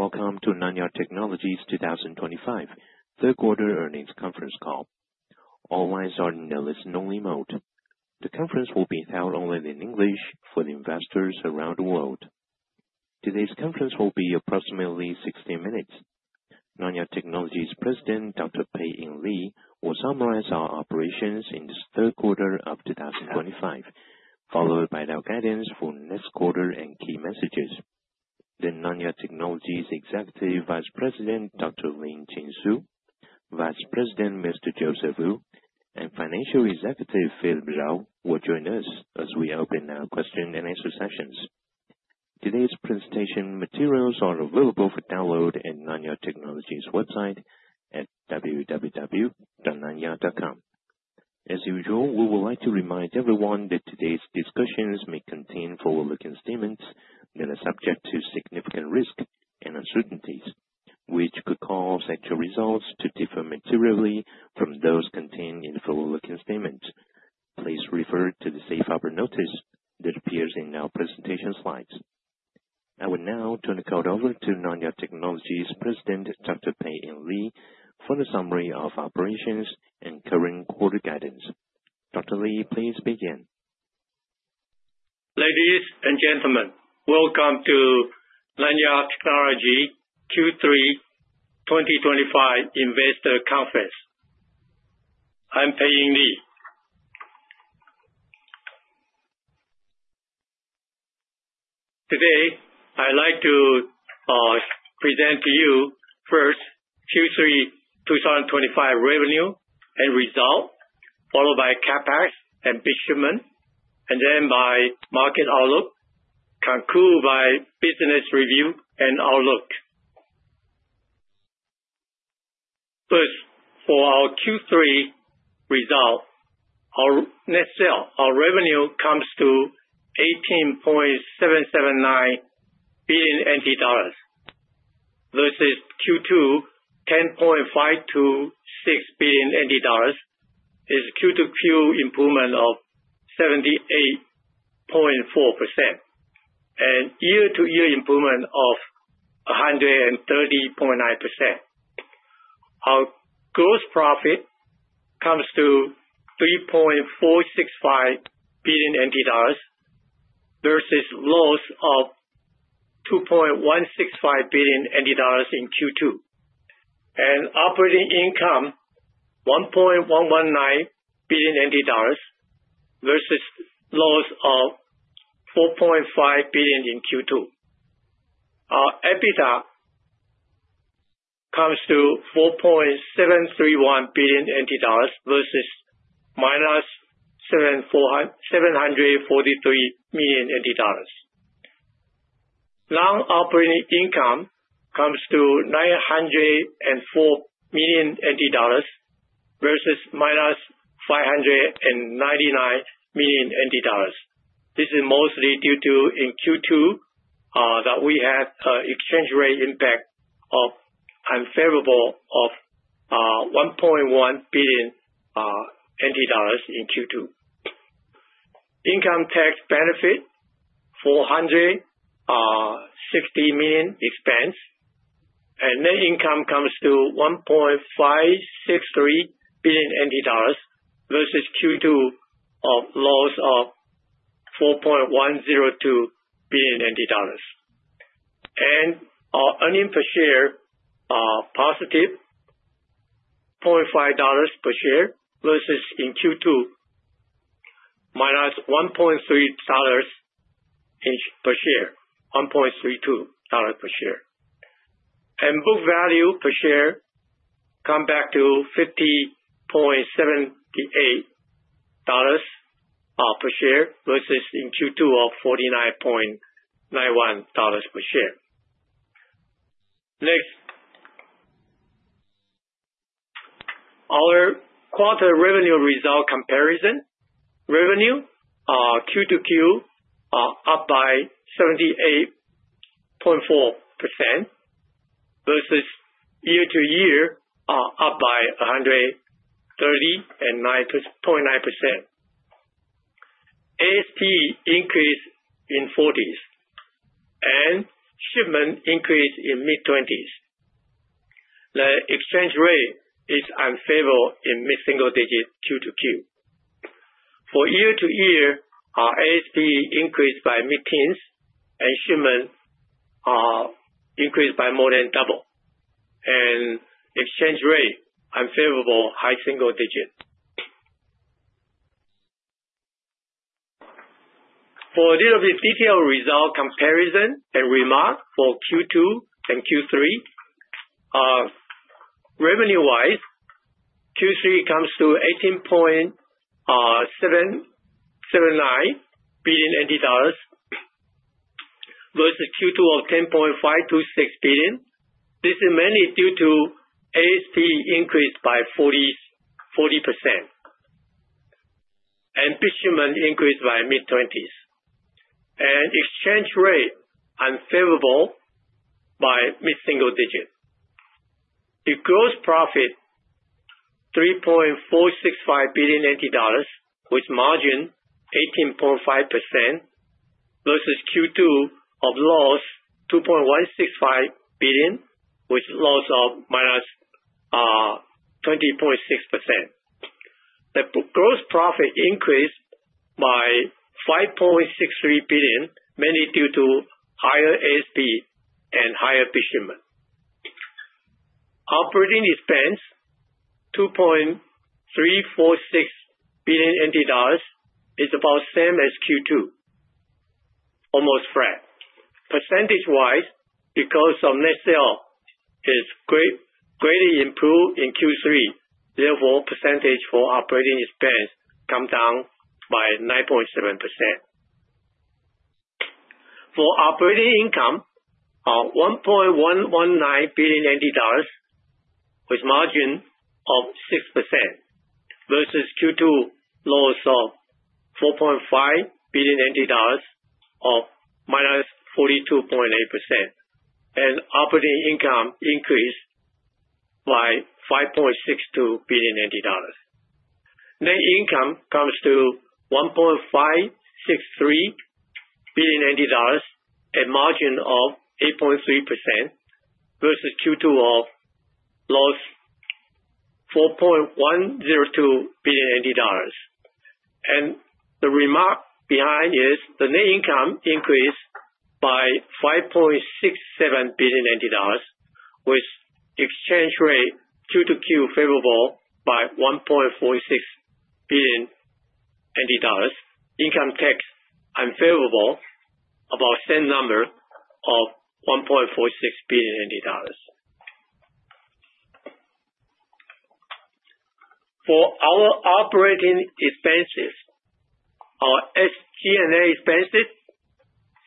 Welcome to Nanya Technology 2025 Third Quarter Earnings Conference Call. All lines are in a listen-only mode. The conference will be held only in English for the investors around the world. Today's conference will be approximately 16 minutes. Nanya Technology President Dr. Pei-Ing Lee will summarize our operations in the third quarter of 2025 followed by our guidance for next quarter and key messages. The Nanya Technology Executive Vice President Dr. Lin-Chin Su, Vice President Mr. Joseph Wu and Financial Executive Philip Tsao will join us as we open our question and answer sessions. Today's presentation materials are available for download at Nanya Technology website at www.nanya.com. As usual, we would like to remind everyone that today's discussions may contain forward-looking statements that are subject to significant risks and uncertainties which could cause actual results to differ materially from those contained in the forward-looking statement. Please refer to the Safe Harbor notice that appears in our presentation slides. I will now turn the call over to Nanya Technology President Dr. Pei-Ing Lee for the summary of operations and current quarter guidance. Dr. Lee, please begin. Ladies and gentlemen, welcome to Nanya Technology Q3 2025 investor conference. I'm Pei-Ing Lee. Today I'd like to present to you first Q3 2025 Revenue and result followed by CapEx and Bit Shipment and then by Market Outlook concluded by Business review and outlook. First, for our Q3 results, our net sales our revenue comes to 18.779 billion NT dollars versus Q2 10.526 billion NT dollars is Q/Q improvement of 78.4% and year to year improvement of 130.9%. Our gross profit comes to 3.465 billion NT dollars versus loss of 2.165 billion NT dollars NTD in Q2 and operating income 1.119 billion NT dollars versus loss of 4.5 billion in Q2. Our EBITDA comes to 4.731 billion NT dollars versus minus 743 million NT dollars. Non-operating income comes to 904 million NT dollars versus minus 599 million NT dollars. This is mostly due to in Q2 that we had exchange rate impact of unfavorable of 1.1 billion NT dollars. In Q2, income tax benefit 460 million. Expense and net income comes to 1.563 billion NT dollars versus Q2 of loss of 4.102 billion NT dollars, and our earnings per share are positive. 0.5 dollars per share versus in Q2 minus 1.3 dollars per share, 1.32 dollars per share, and book value per share come back to 50.78 dollars per share versus in Q2 of 49.91 dollars per share. Next. Our quarter revenue result comparison: revenue Q2Q up by 78.4% versus year to year are up by 130.9%. ASP increase in 40s and shipment increase in mid-20s. The exchange rate is unfavorable in mid-single-digit Q2Q for year-to-year, our ASP increased by mid-teens and shipments. Increased by more than double, and exchange rate unfavorable high single digit. For a little bit detailed result comparison and remark for Q2 and Q3. Revenue-wise, Q3 comes to TWD 18.779 billion versus Q2 of 10.526 billion. This is mainly due to ASP increased by 40%. Bit shipment increased by mid-twenties and exchange rate unfavorable by mid-single-digit. The gross profit 3.465 billion NTD with margin 18.5% versus Q2 of loss 2.165 billion with loss of minus 20.6%. The gross profit increased by 5.63 billion mainly due to higher ASP and higher bit shipment. Operating expense 2.346 billion is about same as Q2, almost flat percentage wise because net sales is greatly improved in Q3. Therefore percentage for operating expense comes down by 9.7%. For operating income $1.119 billion NTD with margin of 6% versus Q2 loss of $4.5 billion NTD of minus 42.8% and operating income increased by $5.62 billion NTD. Net income comes to $1.563 billion NTD a margin of 8.3% versus Q2 loss of $4.102 billion. And the reason behind is the net income increased by 5.67 billion NT dollars with exchange rate Q2Q favorable by 1.46 billion NT dollars. Income tax unfavorable about the same number of TWD 1.46 billion. For our operating expenses, our SG&A expenses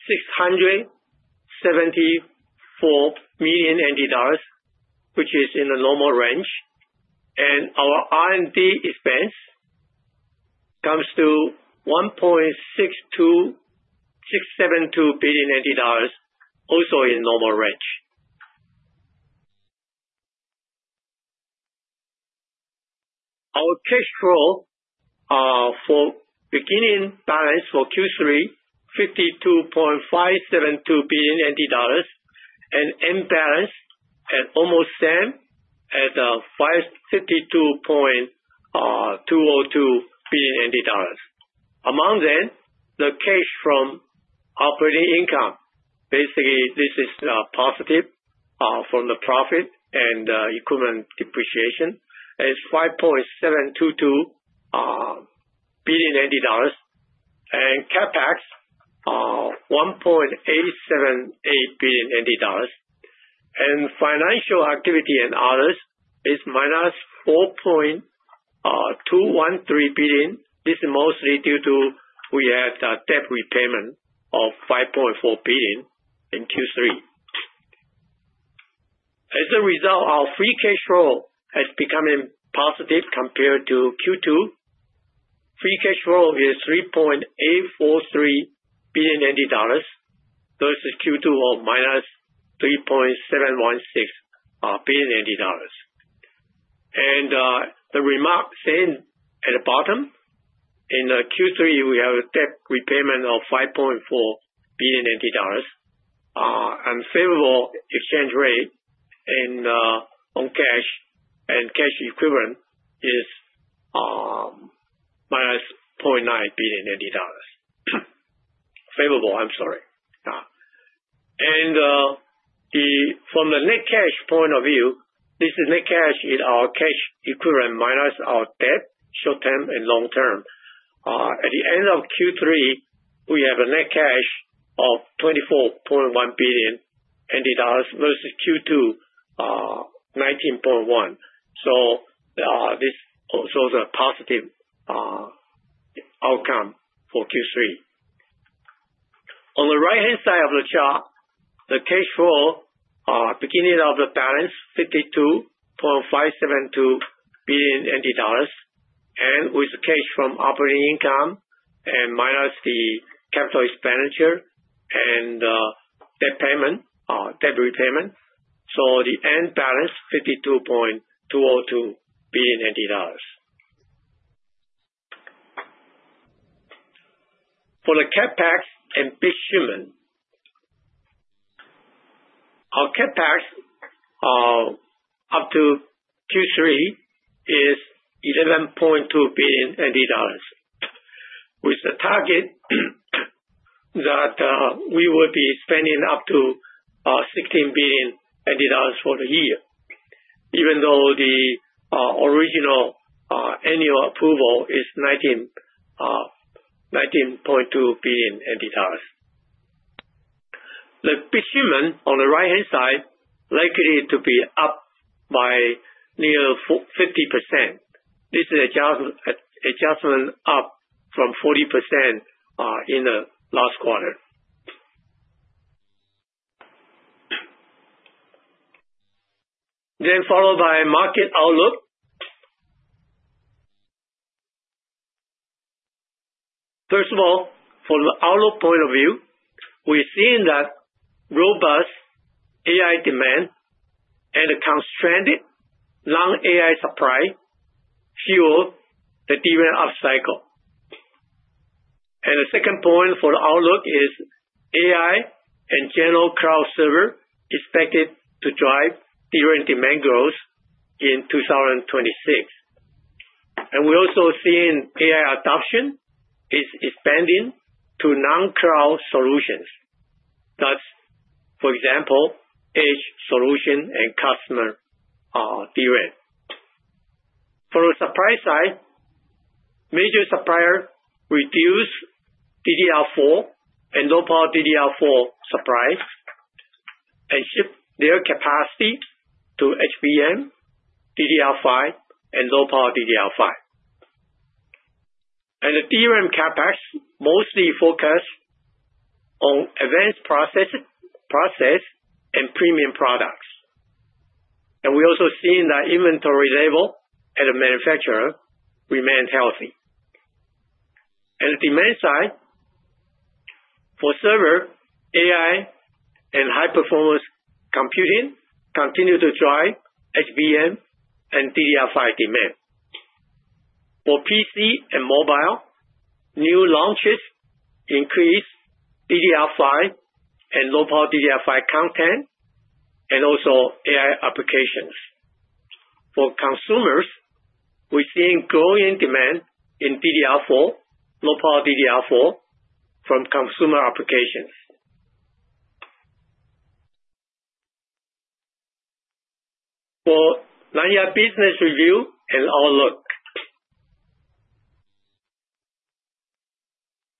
674 million NT dollars, which is in the normal range, and our R&D expense comes to TWD 1.672 billion, also in normal range. Our cash flow for beginning balance for Q3 TWD 52.572 billion and end balance at almost same at TWD 56.202 billion. Among them the cash from operating income. Basically this is positive from the profit and equipment depreciation is TWD 5.722 billion and CapEx TWD 1.878 billion and financial activity and others is minus 4.213 billion. This is mostly due to we had debt repayment of 5.4 billion in Q3. As a result our free cash flow has become positive compared to Q2. Free cash flow is 3.843 billion NT dollars versus Q2 or minus TWD 3.716 billion and the remark saying at the bottom in Q3 we have a debt repayment of TWD 5.4 billion. Unfavorable exchange rate on cash and cash equivalent is. Minus $0.9 billion, NTD favorable. I'm sorry, and from the net cash point of view, this is net cash is our cash equivalent minus our debt short term and long term. At the end of Q3, we have a net cash of TWD 24.1 billion versus Q2 19.1. So this shows a positive outcome for Q3. On the right-hand side of the chart, the cash flow beginning balance $52.572 billion NTD and with cash from operating income and minus the capital expenditure and debt repayment so the end balance $52.202 billion NTD. For the CapEx and Bit Shipment. Our CapEx up to Q3 is 11.2 billion with the target. That we would be spending up to 16 billion dollars for the year even though the original annual approval is TWD 19.2 billion. The procurement on the right hand side likely to be up by near 50%. This is adjustment up from 40% in the last quarter. Then followed by market outlook. First of all, from the outlook point of view, we see that robust AI demand and a constrained non-AI supply fuel the demand upcycle. And the second point for the outlook is AI and general cloud server expected to drive driven demand growth in 2026, and we also seeing AI adoption is expanding to non-cloud solutions. That's, for example, Edge solution and customer. For the supply side, major suppliers reduce DDR4 and Low Power DDR4 supplies and shift their capacity to HBM, DDR5, and Low Power DDR5. And the DRAM CapEx mostly focus on advanced processes, process, and premium products, and we also seen that inventory level at a manufacturer remains healthy and demand side. For server, AI, and high-performance computing continue to drive HBM and DDR5 demand for PC and mobile. New launches increased DDR5 and LPDDR5 content and also AI applications for consumers. We're seeing growing demand in DDR4, low-power DDR4 from consumer applications. For Nanya Business Review and Outlook,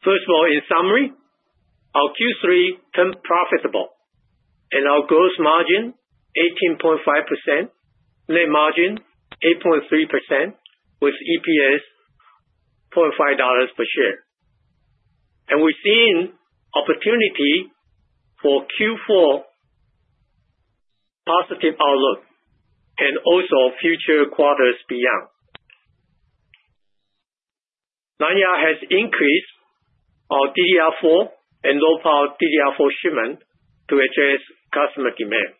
please. First of all, in summary, our Q3 turned profitable and our gross margin 18.5%, net margin 8.3% with EPS $0.5 per share and we see opportunity for Q4. Positive outlook and also future quarters beyond. Nanya has increased our DDR4 and Low Power DDR4 shipment to address customer demand.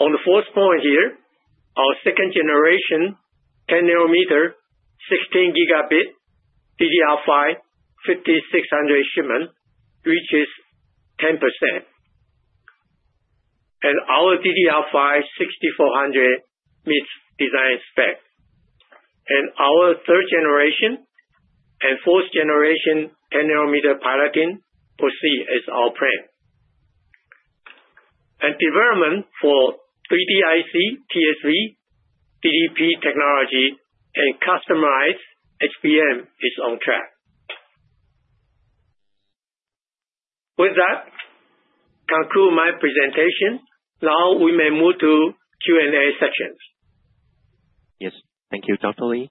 On the fourth point here, our second-generation 10-nanometer 16-gigabit DDR5-5600 shipment requirements reaches 10%. And our DDR5 6400 meets design spec, and our third-generation and fourth-generation 10 nanometer Paladin proceed as our plan. Development for 3DIC, TSV, DDP technology and customized technology HBM is on track. With that conclude my presentation. Now we may move to Q and A section. Yes, thank you, Dr. Lee.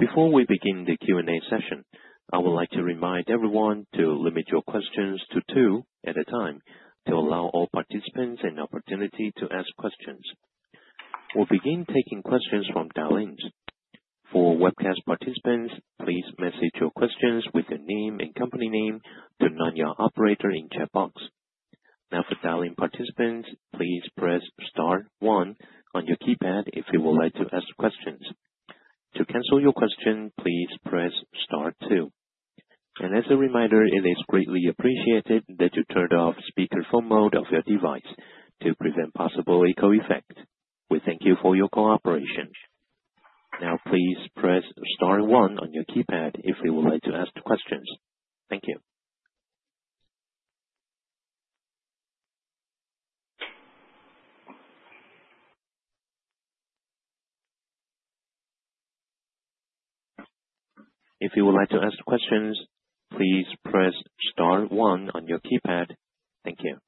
Before we begin the Q&A session, I would like to remind everyone to limit your questions to two at a time to allow all participants an opportunity to ask questions. We'll begin taking questions from dial-ins for webcast participants. Please message your questions with your name and company name to Nanya operator in chat box now. For dialing participants, please press Star one on your keypad if you would like to ask questions. To cancel your question, please press Star two. And as a reminder, it is greatly appreciated that you turned off speakerphone mode of your device to prevent possible echo effect. We thank you for your cooperation. Now please press star one on your keypad if you would like to ask questions. Thank you. If you would like to ask questions, please press Star one on your keypad. Thank you.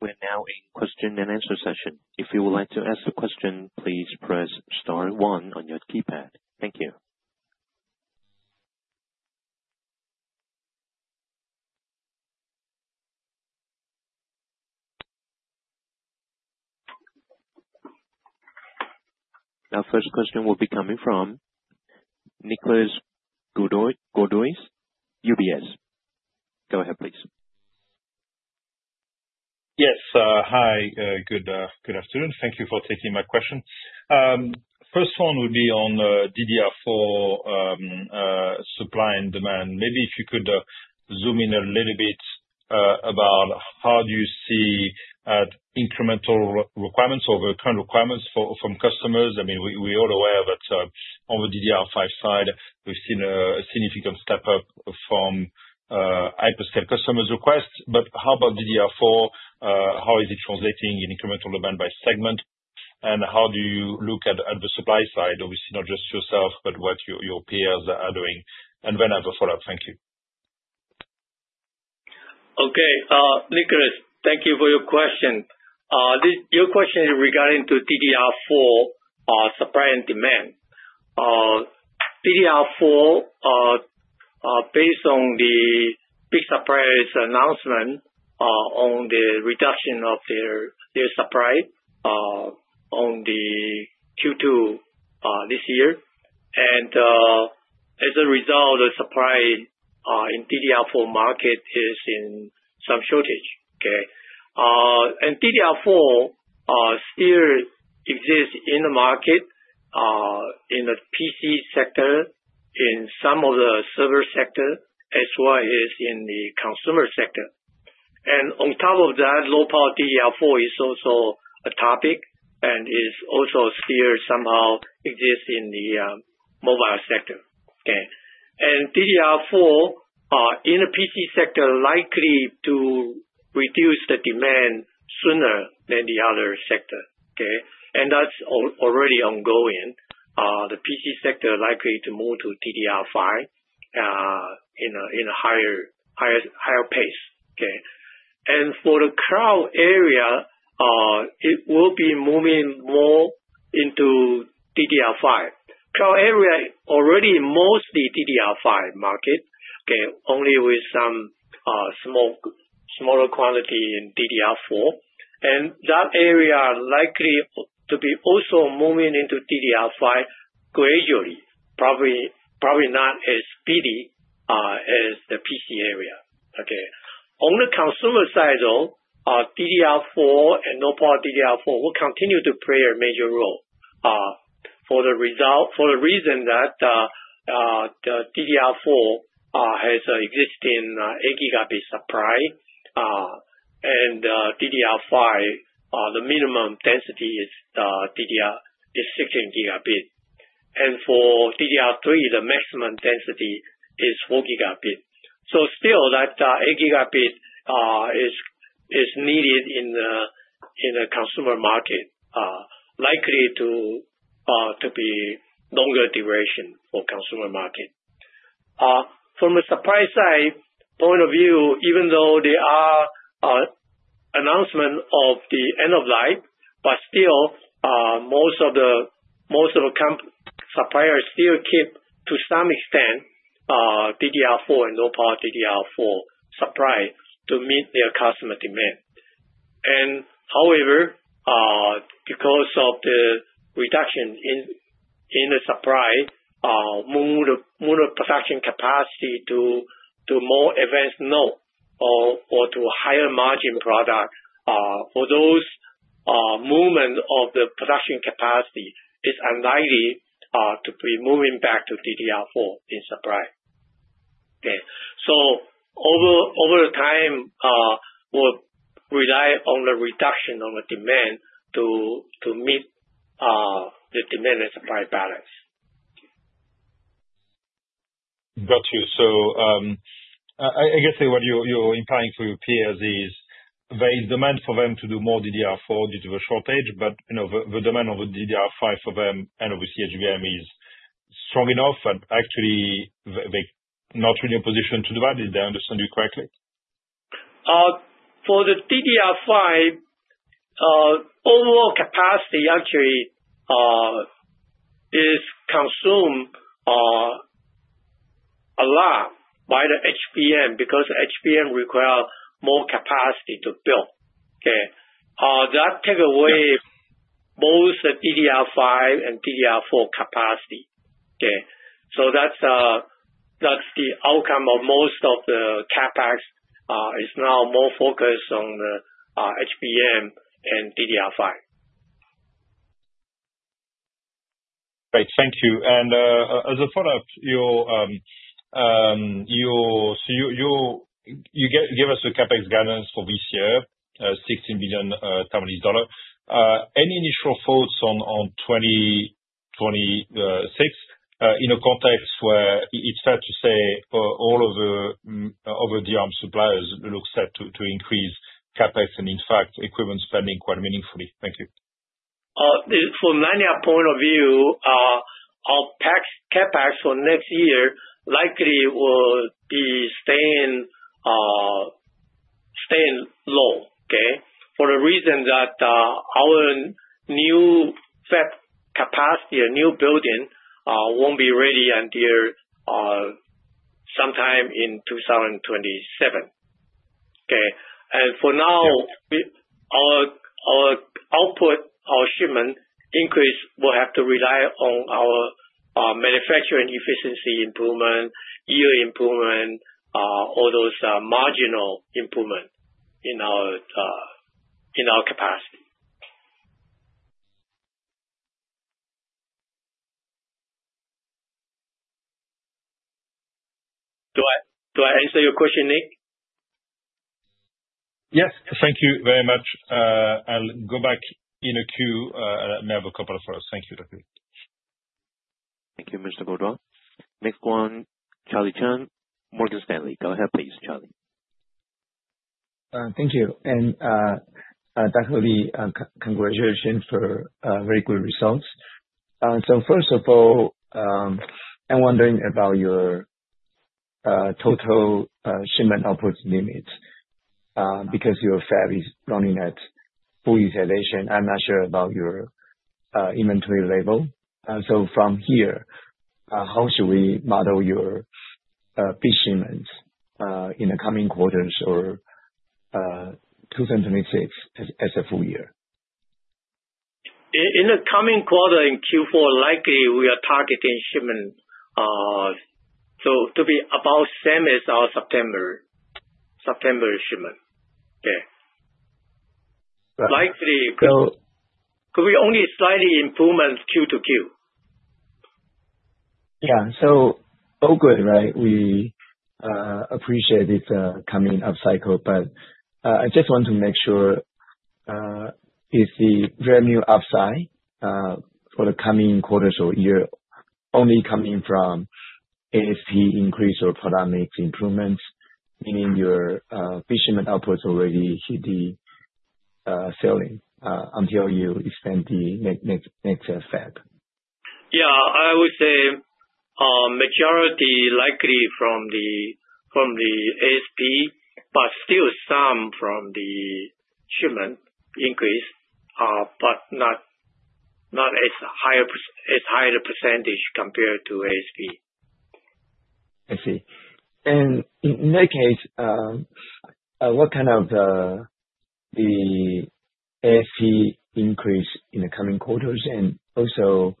We are now in question and answer session. If you would like to ask a question, please press Star one on your keypad. Thank you. Our first question will be coming from Nicolas Gaudois, UBS. Go ahead, please. Yes, hi, good afternoon. Thank you for taking my question. First one would be on DDR4. Supply and demand. Maybe if you could zoom in a little bit about how do you see incremental requirements or the current requirements from customers? I mean we all aware that on the DDR5 side seen a significant step up from hyperscale customers requests. But how about DDR4? How is it translating in incremental demand by segment and how do you look at the supply side? Obviously not just yourself but what your peers are doing. And then I have a follow up. Thank you. Okay Nicolas, thank you for your question. Your question regarding to DDR4 supply and demand. DDR4, based on the big surprise announcement on the reduction of their supply on the Q2 this year and, as a result, the supply in DDR4 market is in some shortage and DDR4 still exists in the market in the PC sector, in some of the server sector as well as in the consumer sector, and on top of that low power DDR4 is also a topic and is also still somehow exist in the mobile sector and DDR4 in a PC sector likely to reduce the demand sooner than the other sector and that's already ongoing. The PC sector likely to move to DDR5. In a higher pace and for the cloud area, it will be moving more into DDR5. Cloud area already mostly DDR5 market, only with some. Smaller quantity in DDR4 and that area likely to be also moving into DDR5 gradually. Probably not as speedy as the PC area. On the consumer side though, DDR4 and LPDDR4 will continue to play a major role. For the reason that the DDR4 has an existing 8 gigabit supply and DDR5 the minimum density is 16 gigabit and for DDR3 the maximum density is 4 gigabit. So still that 8 gigabit is needed in the consumer market likely to be longer duration for consumer market. From a supply side point of view, even though there are announcement of the end of life but still. Most of the suppliers still keep to some extent DDR4 and low power DDR4 supply to meet their customer demand. And, however, because of the reduction in the supply. Move production capacity to more advanced node or to higher margin product. For those movement of the production capacity is unlikely to be moving back to DDR4 in supply. So, over time, will rely on the reduction on the demand to meet the demand-supply balance. Got you. So I guess what you're implying for your peers is there is demand for them to do more DDR4 due to the shortage, but the demand of DDR5 for them and obviously HBM is strong enough and actually. Not really in a position to do that. Did they understand you correctly? For the DDR5, overall capacity actually is consumed a lot by the HBM because HBM require more capacity to build. That takes away both DDR5 and DDR4 capacity. Okay, so that's the outcome of most of the CapEx is now more focused on HBM and DDR5. Great, thank you. And as a follow up. You give us a CapEx guidance for this year 16 billion dollar. Any initial thoughts on 20? In a context where it's fair to say all over the DRAM suppliers looks set to increase CapEx and in fact equipment spending quite meaningfully. Thank you. From Nanya point of view, our CapEx for next year likely will be staying low for the reason that our new Fab capacity, a new building, won't be ready until sometime in 2027. Okay. And for now our output, our shipment increase will have to rely on our manufacturing efficiency improvement, year improvement, all those marginal improvement in our capacity. Do I answer your question, Nick? Yes.Thank you very much. I'll go back in a queue, may have a couple of hours. Thank you. Thank you, Mr. Gaudois. Next one. Charlie Chan, Morgan Stanley. Go ahead, please, Charlie. Thank you. And Dr. Lee, congratulations for very good results. So first of all I'm wondering about your total shipment output limit because your Fab is running at full utilization. I'm not sure about your inventory level. So from here how should we model your bit shipments in the coming quarters or 2026 as a full year. In the coming quarter, in Q4, likely we are targeting shipment. To be about same as our September shipment. Likely, so, could we only slight improvement Q2Q. Yeah, so. Oh, good, right. We appreciate the coming upcycle but I just want to make sure: is the revenue upside for the coming quarters or year only coming from ASP increase or product mix improvements meaning your bit shipment outputs already hit the ceiling until you extend the next-gen stack? Yeah, I would say majority likely from the ASP but still some from the shipment increase but not as high the percentage compared to ASP. I see. And in that case what kind of the ASP increase in the coming quarters? And also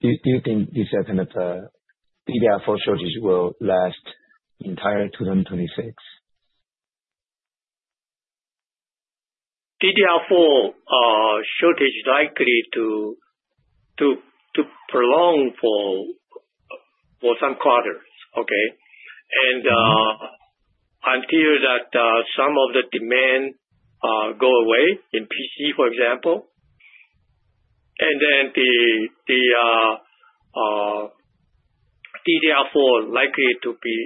do you think this kind of DDR4 shortage will last entire 2026? DDR4 shortage likely to prolong for some quarters. Okay. And until that some of the demand go away in PC for example and then the DDR4 likely to be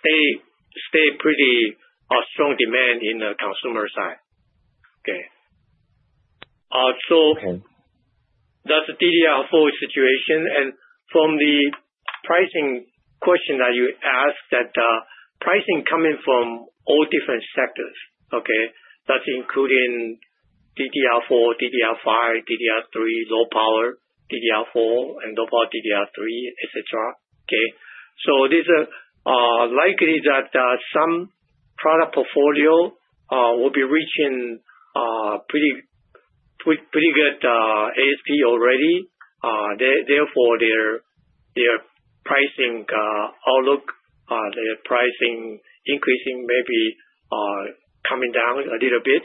stay pretty strong demand in the consumer side. Okay. So that's the DDR4 situation. And from the pricing question that you asked, that pricing coming from all different sectors. Okay. That's including DDR4, DDR5, DDR3, low power DDR4 and Low Power DDR3 etc. Okay, so these are likely that some product portfolio will be reaching. Pretty good ASP already. Therefore their pricing outlook, their pricing increasing may be coming down a little bit.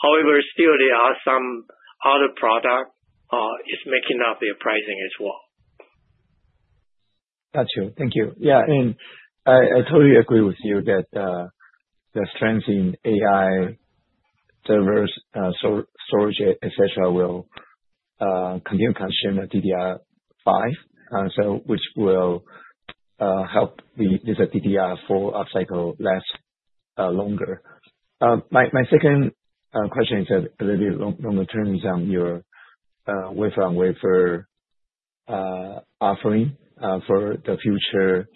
However still there are some other products making up their pricing as well. Got you. Thank you. Yeah, and I totally agree with you that the strength in AI servers, storage, et cetera will continue consumer DDR5 so which will help with the DDR4 upcycle last longer. My second question is a little bit longer term is your Wafer-on-Wafer. Offering for the future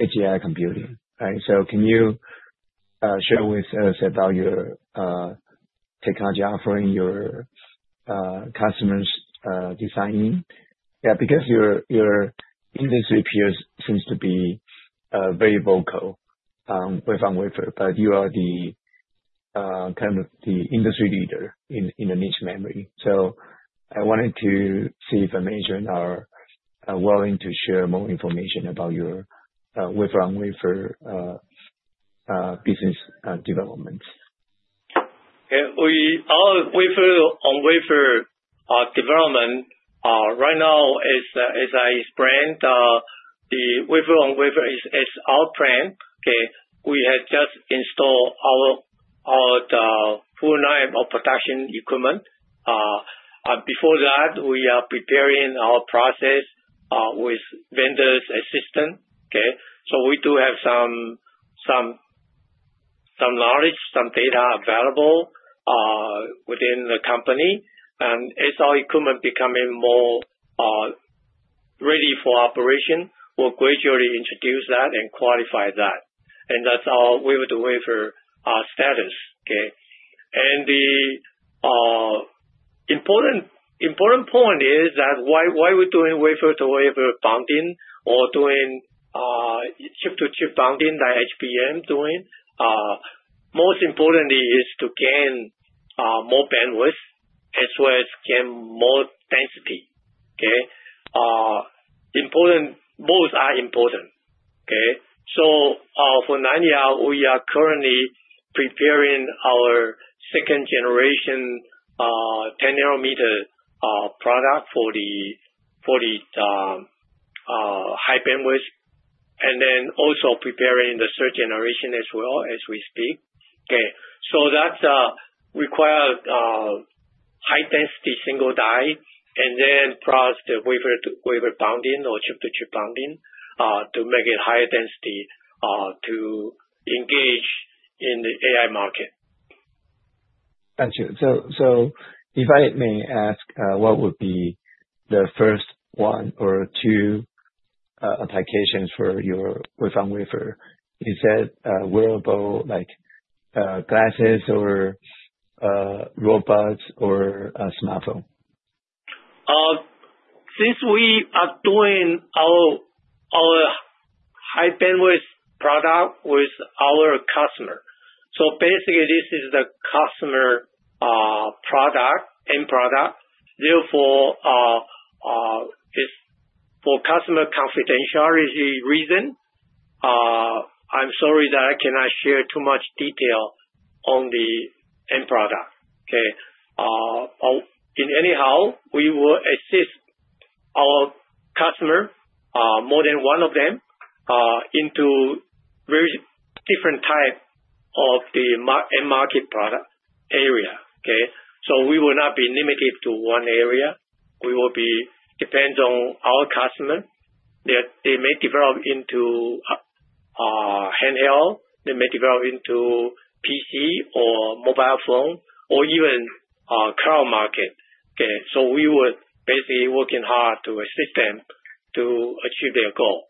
AGI computing. So can you share with us about your technology offering, your customers designing? Yeah, because your industry peers seems to be very vocal wafer-on-wafer. But you are the kind of the industry leader in the niche memory. So I wanted to see if management are willing to share more information about your wafer-on-wafer business developments. On wafer development. Right now, as I explained, the wafer-on-wafer is all premium. We had just installed our full line of production equipment. Before that we are preparing our process with vendor assistance. So we do have some knowledge, some data available within the company, and SR equipment becoming more ready for operation, we'll gradually introduce that and qualify that. And that's our wafer-to-wafer status. And the important point is that why we're doing wafer-to-wafer bonding or doing chip-to-chip bonding, that HBM doing most importantly is to gain more bandwidth as well as gain more density. Okay, important. Both are important. Okay, so for Nanya, we are currently preparing our second-generation 10-nm product for the 1C. High bandwidth and then also preparing the third generation as well as we speak. Okay. So that requires high density single die and then plus the wafer bonding or chip-to-chip bonding to make it higher density to engage in the AI market. Thank you. So if I may ask, what would be the first one or two applications for your Wafer-on-Wafer? Is that wearable like glasses or robots or smartphone? Since we are doing our High-bandwidth product with our customer, so basically this is the customer product end product. Therefore for customer confidentiality reason. I'm sorry that I cannot share too much detail on the end product. Anyhow, we will assist our customer more than one of them into very different type of the end market product area. So we will not be limited to one area. We will be depends on our customer. They may develop into handheld, they may develop into PC or mobile phone or even cloud market. So we were basically working hard to assist them to achieve their goal.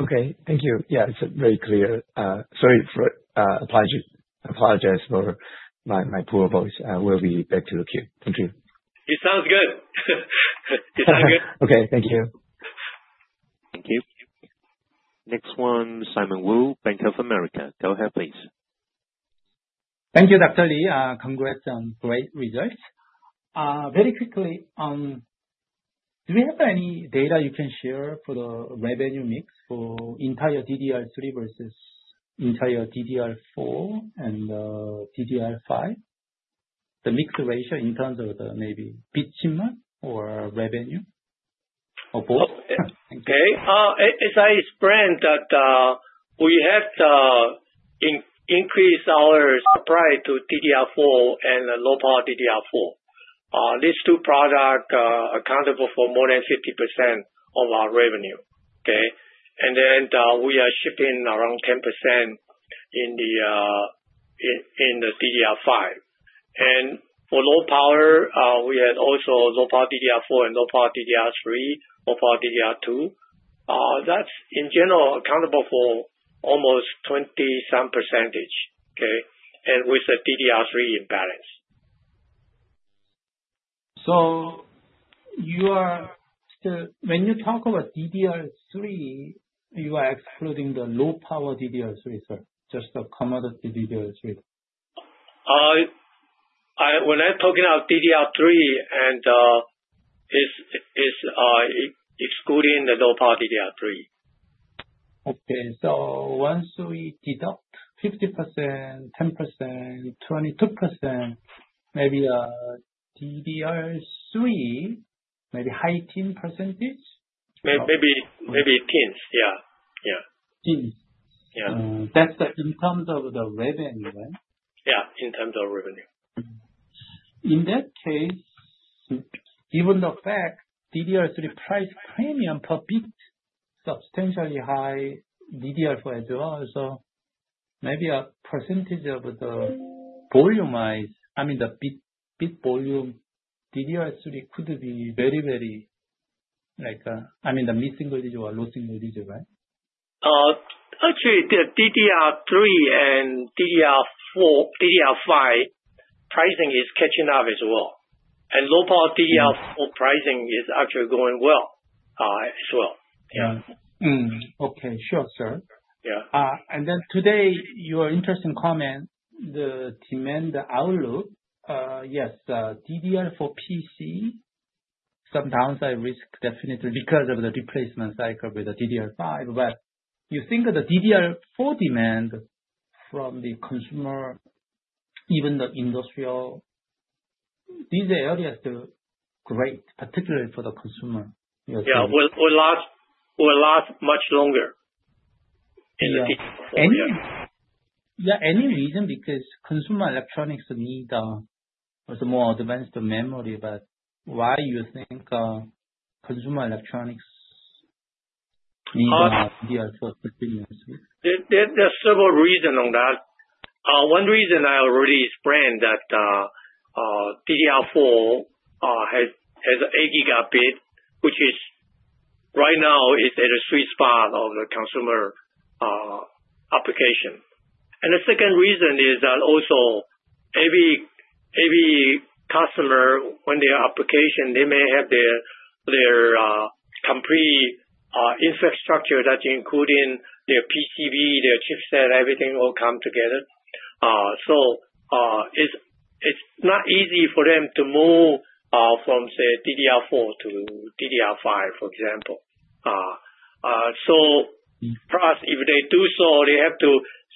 Okay, thank you. Yeah, it's very clear. Sorry for apology. Apologize for my poor voice will be. Back to the queue. Thank you. It sounds good. Okay, thank you. Thank you. Next one. Simon Woo, Bank of America. Go ahead, please. Thank you. Dr. Lee, congrats on great results. Very quickly, do we have any data you can share for the revenue mix for entire DDR3 versus entire DDR4 and DDR5, the mix ratio in terms of the maybe bit shipment or revenue or both? Okay. As I explained that we have increased our supply to DDR4 and low power DDR4. These two products account for more than 50% of our revenue. Okay. And then we are shipping around 10% in the DDR5 and for low power we had also low power DDR4 and low power DDR3. Low power DDR2 that's in general accountable for almost 20-some%. Okay, and with the DDR3 imbalance. So, you are, when you talk about DDR3, you are excluding the low power DDR3, sir, just a commodity DDR3. When I'm talking about DDR3, and it's excluding the low power DDR3. Okay, so once we deduct 50%, 10%, 22%, maybe the DDR3 is maybe high-teen percentage. Maybe 10. Yeah, yeah. That's in terms of the revenue, right? Yeah. In terms of revenue. In that case, given the fact DDR3 price premium per bit substantially high DDR4 too also maybe a percentage of the volume. I mean the bit volume DDR3 could be very, very like. I mean the missing digit or losing digit right? Actually, the DDR3 and DDR4, DDR5 pricing is catching up as well, and low power DDR4 pricing is actually going well as well. Yeah. Okay, sure, sir. Yeah. And then, today, your interesting comment, the demand outlook. Yes. PC some downside risk definitely because of the replacement cycle with the DDR5. But you think the DDR4 demand from the consumer, even the industrial DDR, is still great. Particularly for the consumer. Yeah. Will last much longer. Yeah. Any reason? Because consumer electronics need more advanced memory. But why you think consumer electronics? There are several reasons. On that, one reason I already explained that DDR4 has 8 gigabit, which right now is at a sweet spot of the consumer application. And the second reason is that also every customer when their application they may have their complete infrastructure that including their PCB, their chipset, everything all come together. So it's not easy for them to move from say DDR4 to DDR5 for example. So, plus if they do so, they have to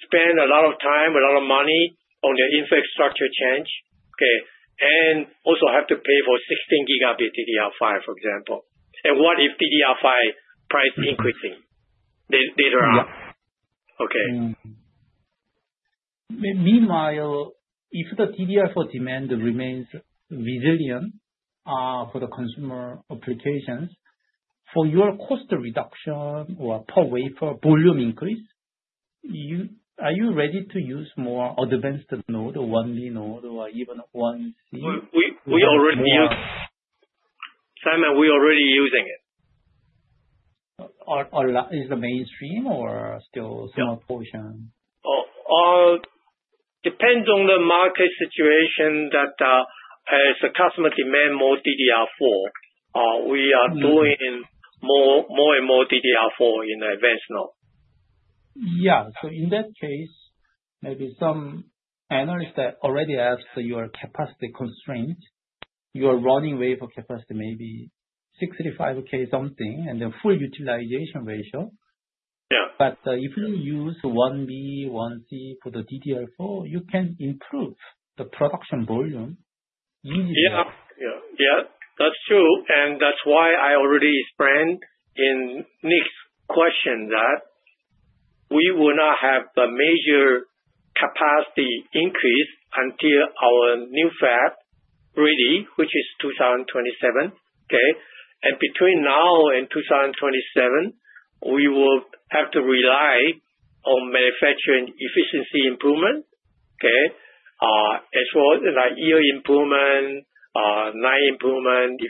spend a lot of time, a lot of money on their infrastructure change and also have to pay for 16-gigabit DDR5, for example. And what if DDR5 price increases later on? Okay. Meanwhile, if the DDR4 demand remains resilient for the consumer applications, for your cost reduction or per wafer volume increase. Are you ready to use more advanced node, 1V node or even 1C? We already. Simon, we already using it. Is the mainstream or still small portion? Depends on the market situation that as the customer demand more DDR4, we are doing more and more DDR4 in advanced node. Yeah, so in that case, maybe some analysts that already have your capacity constraint, your monthly wafer capacity maybe 65K something and then full utilization ratio. But if you use 1B, 1C for the DDR4, you can improve the production volume. Yeah, that's true. And that's why I already explained in Nick's question that we will not have a major capacity increase until our new fab ready, which is 2027. Okay. And between now and 2027 we will have to rely on manufacturing efficiency improvement. Okay. As well like yield improvement, yield improvement,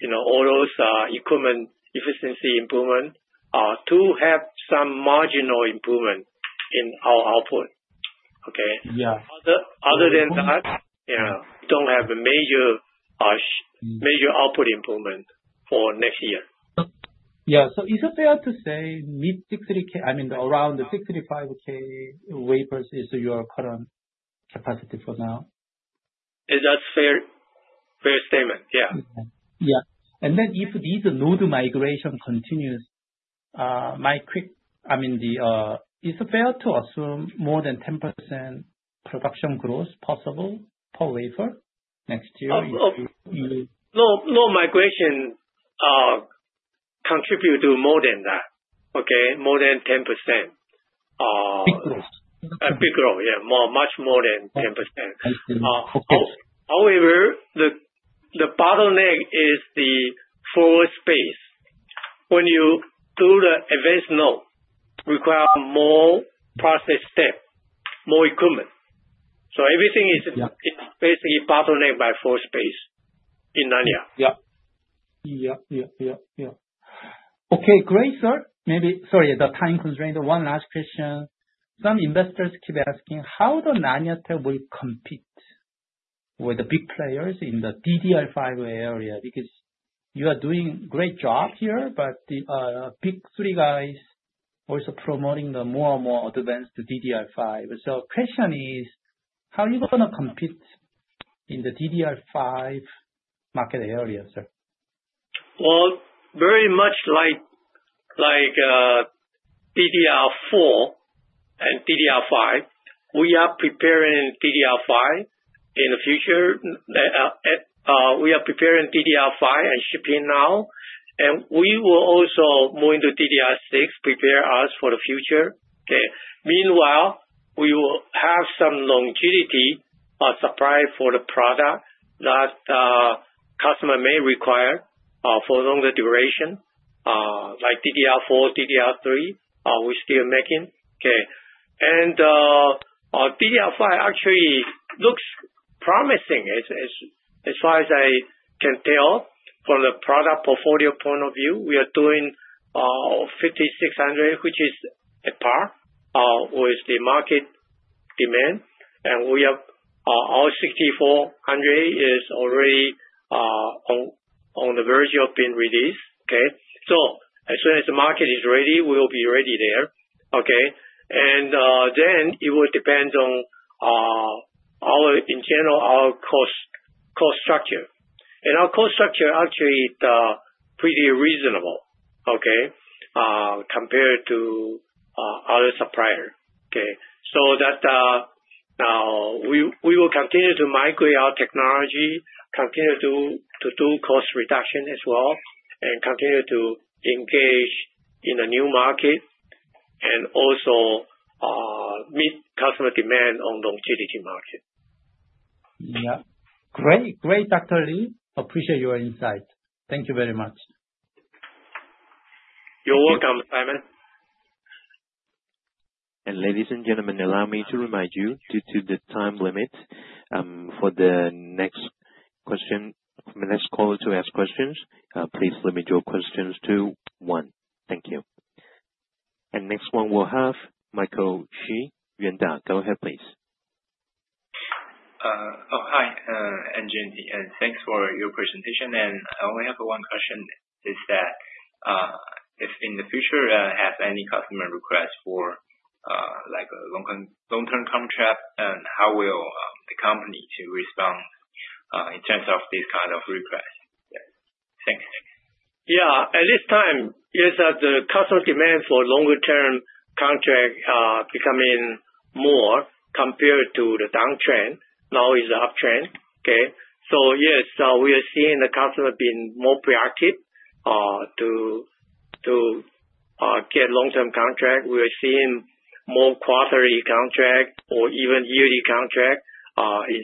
you know, all those equipment efficiency improvement to have some marginal improvement in our output. Okay. Yeah. Other than that, don't have a major, major output improvement for next year. Yeah. So is it fair to say mid 60k? I mean around the 65k wafers is your current capacity for now, is that fair? Fair statement? Yeah. Yeah, and then if these node migration continues, is it fair to assume more than 10% production growth possible per wafer next year? Low migration. Contribute to more than that. Okay. More than 10%. Big growth. Yeah, much more than 10%. However, the bottleneck is the fab space. When you do the advanced node require more process step more equipment. So everything is basically bottlenecked by fab space in Nanya. Yeah, yeah, yeah, yeah, yeah. Okay, great sir, maybe. Sorry, the time constraint. One last question. Some investors keep asking how the Nanya able compete with the big players in the DDR5 area. Because you are doing great job here. But big three guys also promoting the more and more advanced DDR5. So question is, how you going to compete in the DDR5 market area, sir? Well, very much like DDR4 and DDR5, we are preparing DDR5 in the future. We are preparing DDR5 and shipping now, and we will also move into DDR6, preparing us for the future. Meanwhile, we will have some longevity supply for the product that customer may require for longer duration, like DDR4. DDR3 we're still making. Okay, and DDR5 actually looks promising as far as I can tell from the product portfolio point of view, we are doing 5600, which is at par with the market demand, and we have our 6400 is already. On the version of being released. Okay. So, as soon as the market is ready, we will be ready there. Okay, and then it will depend on. In general, our cost structure and our cost structure actually pretty reasonable compared to other supplier, so that now we will continue to migrate our technology, continue to do cost reduction as well, and continue to engage in a new market and also meet customer demand on the utility market. Great. Dr. Lee, appreciate your insight. Thank you very much. You're welcome, Simon. Ladies and gentlemen, allow me to remind you, due to the time limit for the next question, the next caller to ask questions. Please limit your questions to one. Thank you. And next one we'll have Michael Shih. Go ahead, please. Hi, thanks for your presentation, and I only have one question: is that if in the future have any customer request for like long term contract, how will the company to respond in terms of this kind of request? Thanks. Yeah, at this time is that the customer demand for longer term contract becoming more compared to the downtrend now is uptrend. Okay. So yes, we are seeing the customer being more proactive to get long-term contract. We are seeing more quarterly contract or even yearly contract in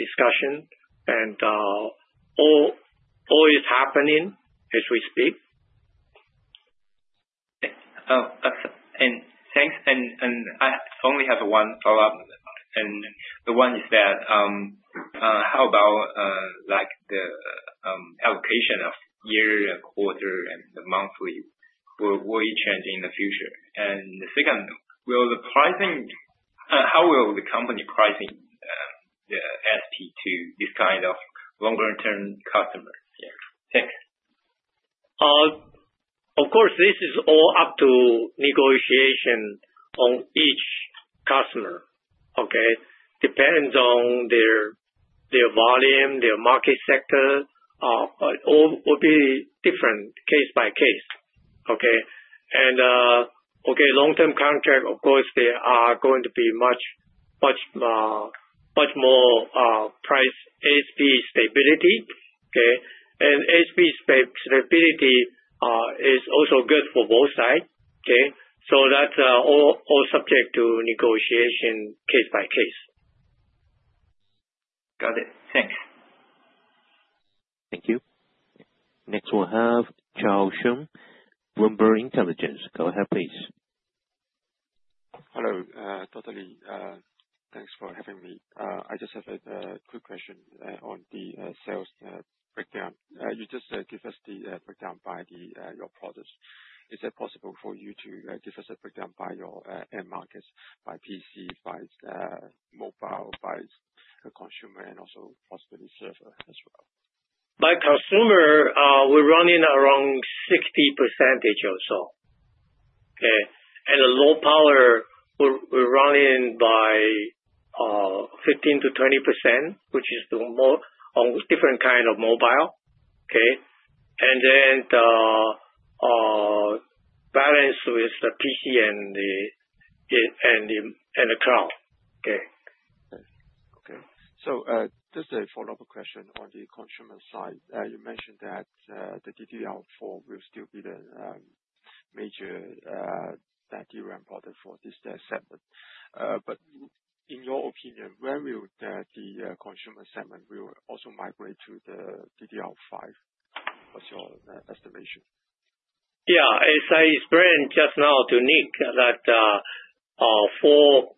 discussion and all is happening as we speak. Thanks. And I only have one follow-up and the one is that how about like the allocation of year, quarter and monthly, will it change in the future? And the second will the pricing. How will the company pricing the ASP to this kind of longer-term customer? Thanks. Of course, this is all up to negotiation on each customer. Okay. Depends on their volume, their market sector. All will be different case by case. Okay. And okay. Long-term contract. Of course they are going to be much more price ASP stability. Okay. And ASP stability is also good for both sides. Okay. So that's all subject to negotiation case by case. Got it. Thanks. Thank you. Next we'll have Chao-Sheng, Bloomberg Intelligence. Go ahead, please. Hello. Totally. Thanks for having me. I just have a quick question on the sales breakdown. You just give us the breakdown by your products. Is it possible for you to give us a breakdown by your end markets. By PC, by mobile, by consumer and also possibly server as well by consumer. We're running around 60% or so. And a low power. We run in by 15%-20% which is on different kind of mobile. Okay. And then balance with the PC and the cloud. Okay. Okay. So just a follow up question. On the consumer side, you mentioned that. The DDR4 will still be the major that DRAM product for this segment. But in your opinion, when will the consumer segment will also migrate to the DDR5? What's your estimation? Yeah, as I explained just now to Nick that for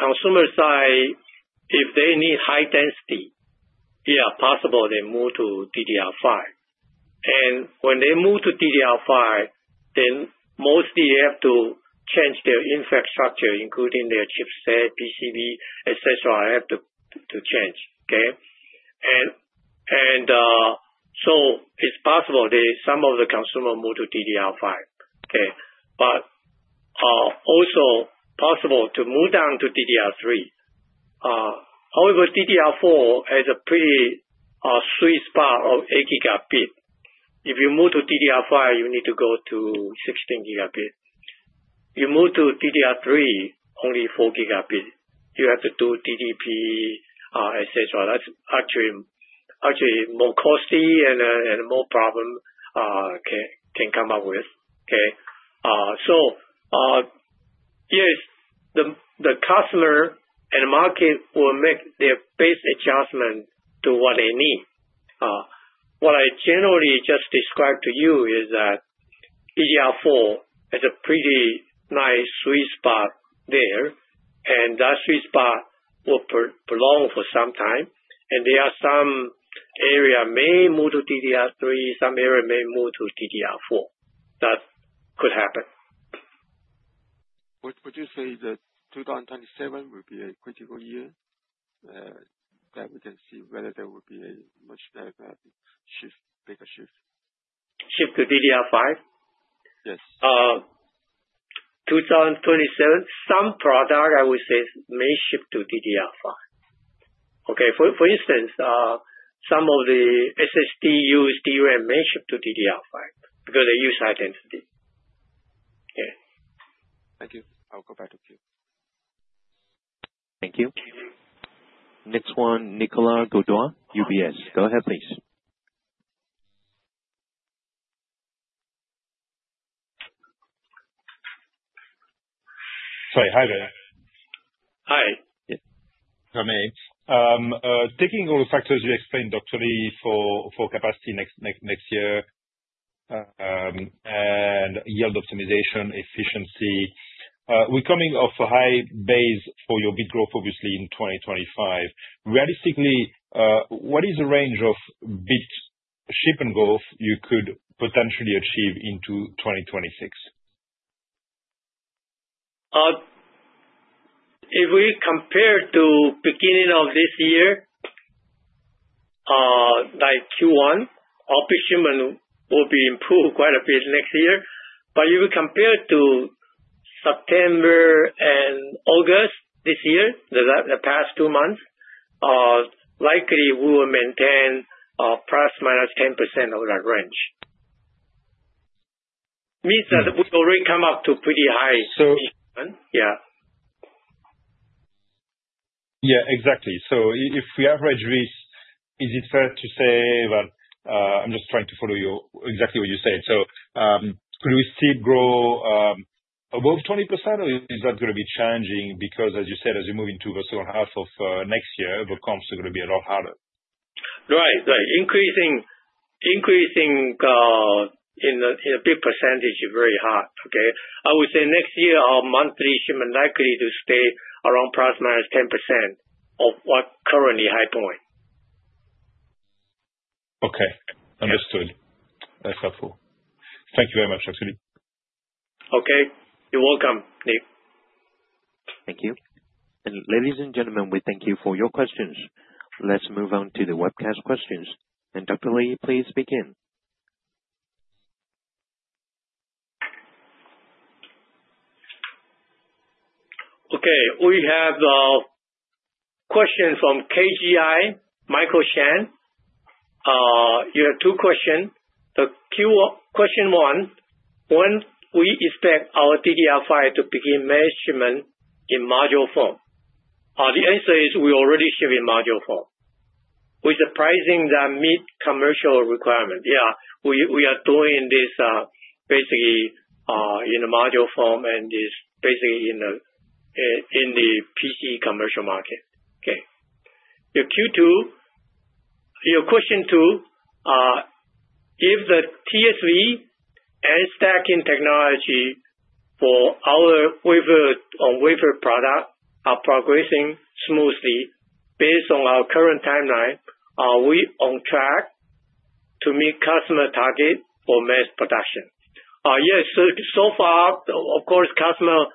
consumer side if they need high density. Yeah, possible they move to DDR5 and when they move to DDR5 then mostly they have to change their infrastructure including their chipset, PCB, et cetera have to change. Okay. And. So it's possible that some of the consumers move to DDR5. Okay. But also possible to move down to DDR3. However, DDR4 has a pretty sweet spot of 8 gigabit. If you move to DDR5 you need to go to 16 gigabit, you move to DDR3 only 4 gigabit, you have to do DDP et cetera. That's actually more costly and more problems can come up with. Okay. So yes, the customer and the market will make their best adjustment to what they need. What I generally just described to you is that DDR4 has a pretty nice sweet spot there. And that sweet spot will prolong for some time and there are some areas may move to DDR3, some areas may move to DDR4 that could happen. Which produces 2027 will be a critical year that we can see whether there will. Be a much better shift, bigger shift. Shift to DDR5? Yes. 2027, some product I would say may ship to DDR5. Okay. For instance, some of the SSD used DRAM mainship to DDR5 because they use identity. Thank you. I'll go back to Q. Thank you. Next one. Nicolas Gaudois, UBS. Go ahead please. Sorry. Hi there. Hi. Taking all the factors you explained, Dr. Lee, for capacity next year. And yield optimization efficiency, we're coming off a high base for your bit growth obviously in 2025. Realistically what is the range of bit shipment and growth you could potentially achieve into 2026? If we compare to beginning of this year. Like Q1, our bit shipment will be improved quite a bit next year. But if you compare to September and August this year, the past two months, likely we will maintain plus minus 10% of that range. Means that we already come up to pretty high. Yeah, exactly. So if we average this, is it fair to say that I'm just trying to follow exactly what you said? So could we still grow above 20% or is that going to be changing? Because as you said, as you move into the second half of next year, the comps are going to be a lot harder. Right. Increasing, in a big percentage is very hard. Okay, I would say next year our monthly shipment likely to stay around plus minus 10% of what currently high point. Okay, understood. That's helpful. Thank you very much actually. Okay, you're welcome, Nick. Thank you. Ladies and gentlemen, we thank you for your questions. Let's move on to the webcast questions and Dr. Lee, please begin. Okay, we have question from KGI Michael Shen, you have two questions. The question one, when we expect our DDR5 to begin mass shipment in module four? The answer is we already shipped in module four with the pricing that meet commercial requirement. Yeah, we are doing this basically in a module form and is basically in the PC commercial market. Okay, your Q2. Your question 2. If the TSV and stacking technology for our wafer-on-wafer product are progressing smoothly based on our current timeline, are we on track to meet customer target for mass production? Yes, so far of course customer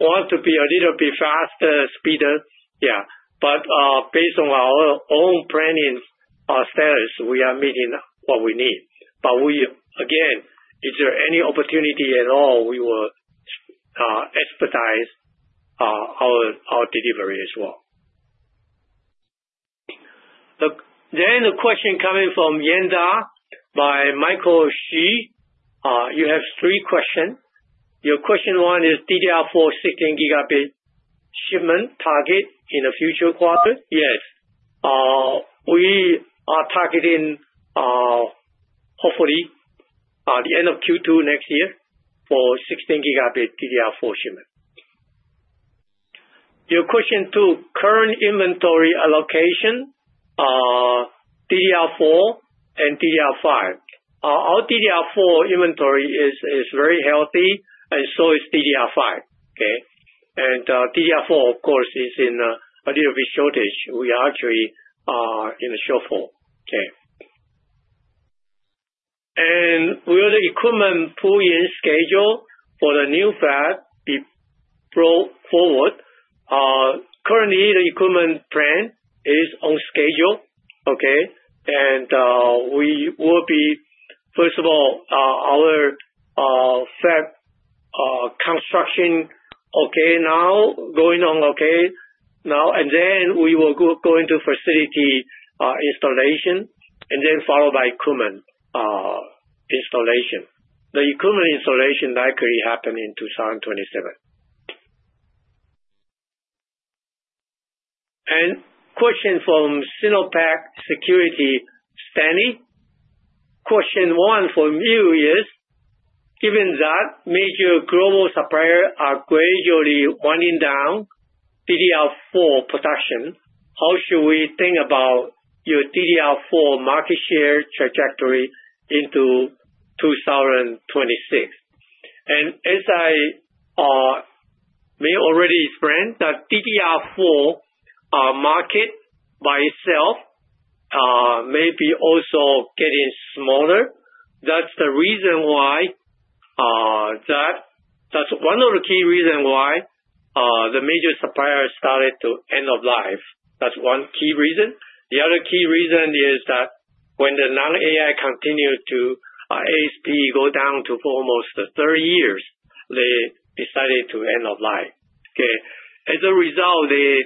want to be a little bit faster, speedier. Yeah, but based on our own planning status, we are meeting what we need, but we again, is there any opportunity at all? We will expedite our delivery as well. Then a question coming from Yuanta by Michael Shih. You have three questions. Your question one is DDR4 16 gigabit shipment target in the future quarter? Yes, we are targeting. Hopefully the end of Q2 next year for 16 gigabit DDR4 shipment. Your question two, current inventory allocation DDR4 and DDR5. Our DDR4 inventory is very healthy and so is DDR5. Okay. And DDR4 of course is in a little bit shortage. We actually are in a shortfall. Okay. Will the equipment pull in schedule for the new fab? Currently the equipment plan is on schedule, and we will be first of all our fab construction going on, and then we will go into facility installation and then followed by cleanroom installation. The equipment installation likely happened in 2027. And question from SinoPac Securities Stanley, question one for you is given that major global suppliers are gradually winding down DDR4 production, how should we think about your DDR4 market share trajectory into 2026? And as I may already explain that DDR4 market by itself may be also getting smaller. That's one of the key reason why the major supplier started to end of life. The other key reason is that when the non-AI continue to ASP go down to almost 30% a year they decided to end of life. As a result they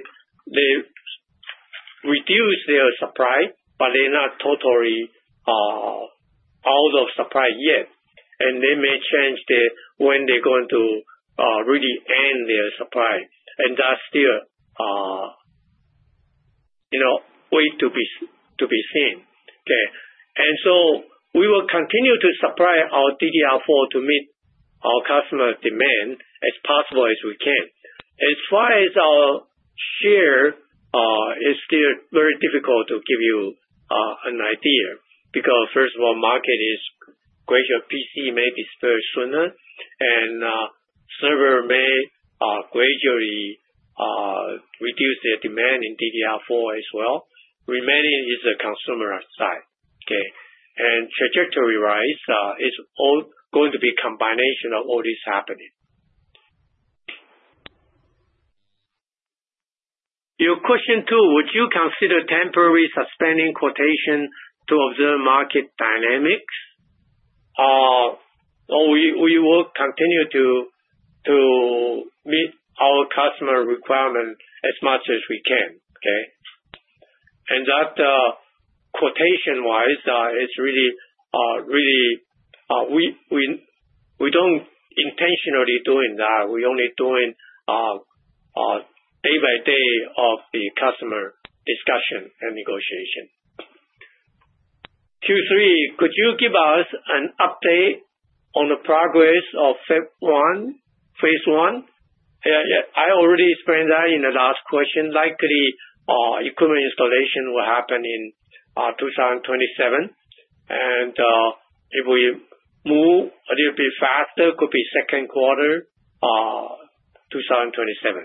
reduce their supply but they're not totally out of supply yet and they may change when they're going to really end their supply and that still. Wait and see, and so we will continue to supply our DDR4 to meet our customer demand as possible as we can. As far as our share, it's still very difficult to give you an idea because first of all market is gray, your PC may decrease sooner and server may gradually reduce their demand in DDR4 as well. Remaining is a consumer side. Okay, and trajectory-wise it's going to be combination of all this happening. Your question two, would you consider temporary suspending quotation to observe market dynamics? We will continue to meet our customer requirement as much as we can. Okay, and that quotation wise it's really really. We don't intentionally doing that. We only doing day by day of the customer discussion and negotiation. Q3, could you give us an update on the progress of phase one? I already explained that in the last question. Likely equipment installation will happen in 2027 and if we move a little bit faster, could be second quarter 2027.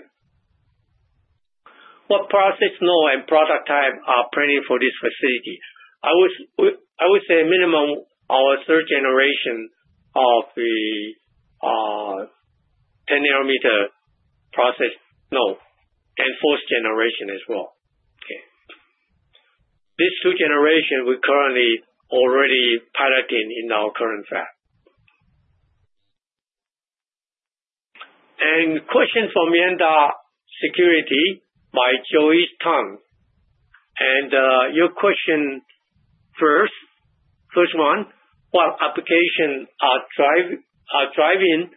What process node and product type are planning for this facility? I would say minimum our third generation of the 10-nanometer process node and fourth generation as well. These two generations we currently already piloting in our current Fab. And question from Yuanta Securities by Joey Tung. And your question first. First one, what applications are driving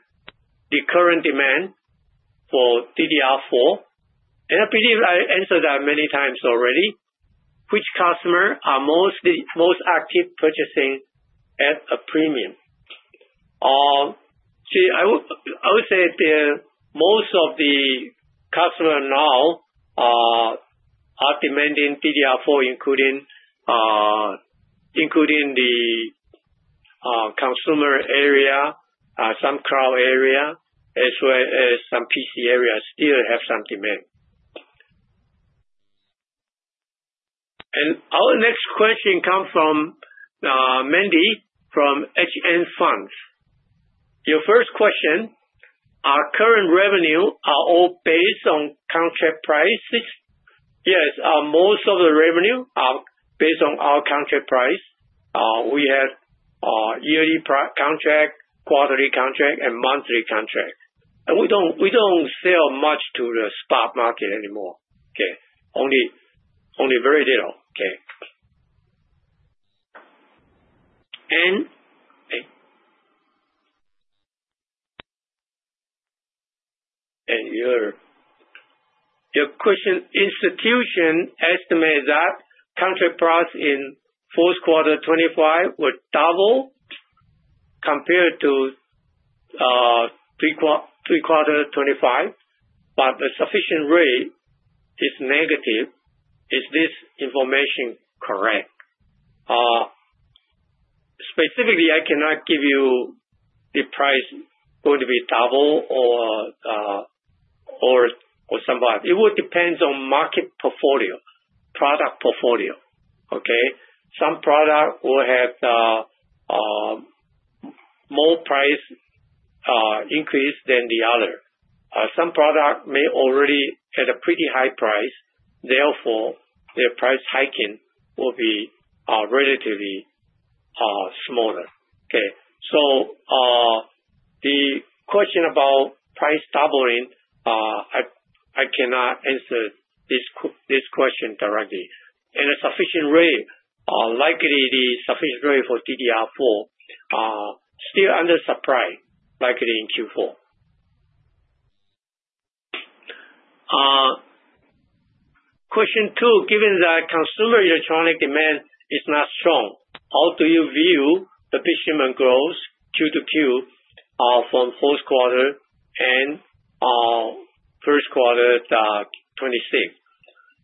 the current demand for DDR4? And I believe I answered that many times already. Which customer are most active purchasing at a premium? See, I would say most of the customer now are demanding DDR4 including the consumer area, some cloud area as well as some PC areas still have some demand. And our next question comes from Mandy from HN Funds. Your first question. Our current revenue are all based on contract prices? Yes, most of the revenue are based on our contract price. We have yearly contract, quarterly contract and monthly contract. And we don't sell much to the spot market anymore. Okay. Only very little. Okay. And your question: Institutions estimate that contract price in fourth quarter 2025 would double compared to 3Q25. But the sufficient rate is negative. Is this information correct? Specifically, I cannot give you the price going to be double or somewhat. It would depend on market portfolio, product portfolio. Okay. Some product will have. More price increase than the other. Some product may already at a pretty high price. Therefore their price hiking will be relatively smaller. Okay, so the question about price doubling. I cannot answer this question directly at a sufficient rate. Likely the sufficient rate for DDR4 still under supply likely in Q4. Question two: Given that consumer electronic demand is not strong, how do you view the bit shipment growth Q2Q from fourth quarter and first quarter?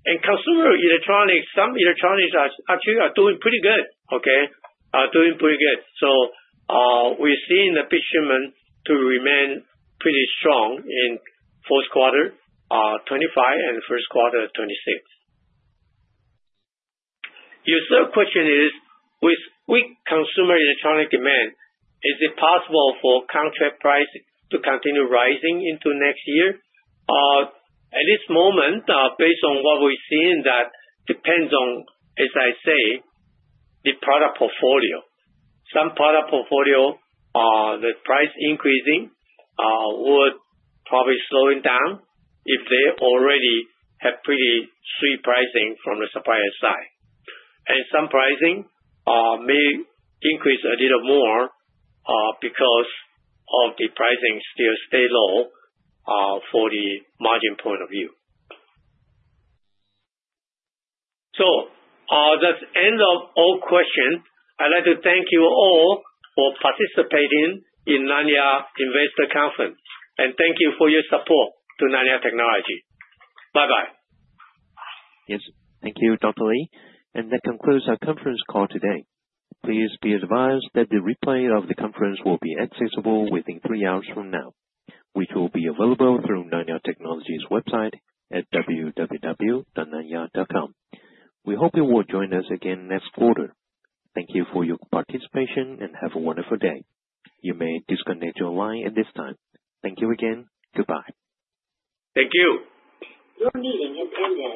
And consumer electronics. Some electronics actually are doing pretty good. So we're seeing the Bit Shipment to remain pretty strong in fourth quarter 2025 and first quarter 2026. Your third question is, with weak consumer electronic demand, is it possible for contract price to continue rising into next year? At this moment, based on what we're seeing, that depends on, as I say, the product portfolio, some product portfolio, the price increasing would probably slowing down if they already have pretty sweet pricing from the supplier side, and some pricing may increase a little more because of the pricing still stay low for the margin point of view. So that's end of all questions. I'd like to thank you all for participating in Nanya Investor Conference and thank you for your support to Nanya Technology. Bye bye. Thank you, Dr. Lee. And that concludes our conference call today. Please be advised that the replay of the conference will be accessible within three hours from now, which will be available through Nanya Technology's website at www.nanya.com. We hope you will join us again next quarter. Thank you for your participation and have a wonderful day. You may disconnect your line at this time. Thank you again. Goodbye. Thank you. Your meeting is ended.